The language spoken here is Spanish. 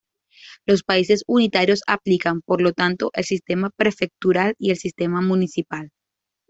Los países unitarios aplican, por lo tanto, el Sistema Prefectural y el Sistema Municipal.